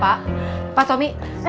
pak pak tommy